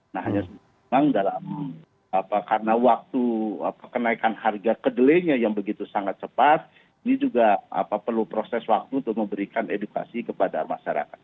nah hanya memang karena waktu kenaikan harga kedelainya yang begitu sangat cepat ini juga perlu proses waktu untuk memberikan edukasi kepada masyarakat